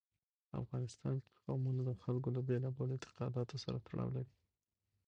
افغانستان کې قومونه د خلکو له بېلابېلو اعتقاداتو سره تړاو لري.